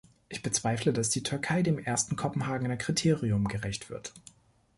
Ich bezweifle, dass die Türkei dem ersten Kopenhagener Kriterium gerecht wird.